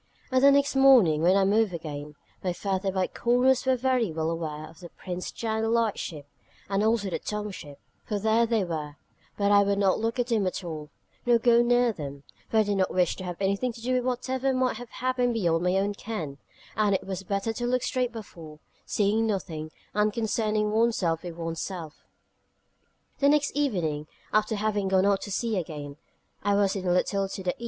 And the next morning, when I moved again, my furtive eye corners were very well aware of the Prince's Channel light ship, and also the Tongue ship, for there they were: but I would not look at them at all, nor go near them: for I did not wish to have anything to do with whatever might have happened beyond my own ken, and it was better to look straight before, seeing nothing, and concerning one's self with one's self. The next evening, after having gone out to sea again, I was in a little to the E.